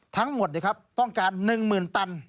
ทั้งหมดเนี่ยครับต้องการ๑หมื่นตัญส์